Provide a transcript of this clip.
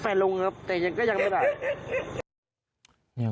ฟังลงครับแต่ยังไม่ได้